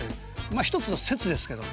まあ１つの説ですけど。